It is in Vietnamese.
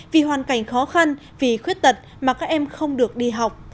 vì hoàn cảnh khó khăn vì khuyết tật mà các em không được đi học